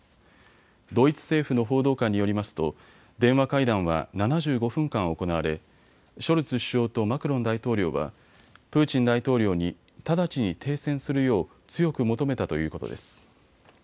ドイツ政府の報道官によりますと電話会談は７５分間、行われショルツ首相とマクロン大統領はプーチン大統領に直ちに停戦するよう強く求めたということです。